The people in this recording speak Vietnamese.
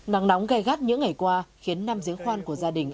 nắng nóng gây gắt những ngày qua khiến năm giếng khoan của gia đình